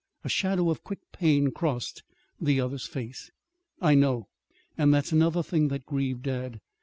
A shadow of quick pain crossed the other's face. "I know. And that's another thing that grieved dad.